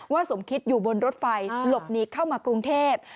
สมคิดอยู่บนรถไฟหลบหนีเข้ามากรุงเทพ